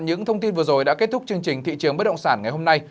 những thông tin vừa rồi đã kết thúc chương trình thị trường bất động sản ngày hôm nay